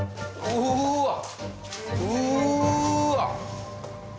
うわっ。